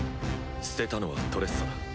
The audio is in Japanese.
捨てたのはトレッサだ。